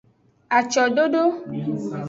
Acododo.